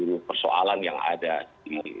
jadi persoalan komunikasi internet dan juga teknologi